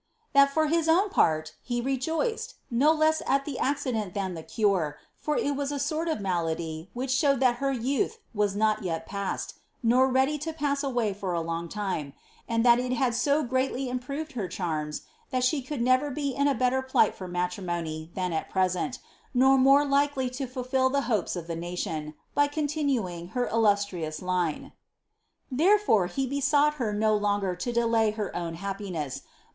^Ttiai for his own part, he rejoiced, no leas at the accident than the core, for il wa ^ a sort of malady which ' r"l i><8t her yntitli was not yet pa9se<), nor ready to pass away for le. Btid that il had ao greatly im proved her charms^ that she > le in a better plight [or matn mony than at present, nor mn fulfil the hopes of the nation, by rontinning her illustrious 1. ire, he besought her no longer to delay her own happines*, btn.